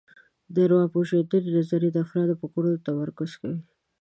د ارواپېژندنې نظریه د افرادو پر کړنو تمرکز کوي